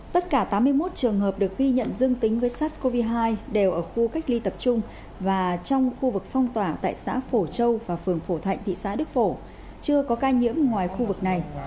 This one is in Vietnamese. tất cả tám mươi một trường hợp được ghi nhận dương tính với sars cov hai đều ở khu cách ly tập trung và trong khu vực phong tỏa tại xã phổ châu và phường phổ thạnh thị xã đức phổ chưa có ca nhiễm ngoài khu vực này